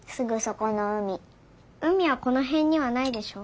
海はこのへんにはないでしょ？